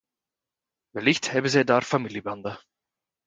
Wellicht hebben zij daar familiebanden.